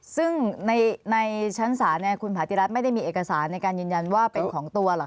ซึ่งในชั้นศาลคุณผาติรัฐไม่ได้มีเอกสารในการยืนยันว่าเป็นของตัวหรอกค